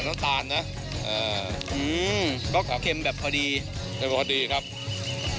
แต่ต้องมาให้ทันนะครับไม่งั้นจะหมดซะก่อน